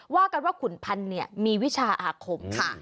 ว่ากันว่าขุนพันธุ์มีวิชาอาคมค่ะ